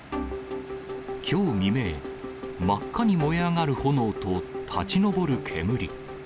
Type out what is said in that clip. きょう未明、真っ赤に燃え上がる炎と立ち上る煙。